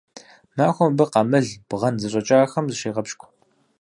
Махуэм абы къамыл, бгъэн зэщӀэкӀахэм зыщегъэпщкӀу.